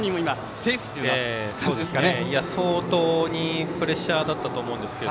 いや相当にプレッシャーだったと思います。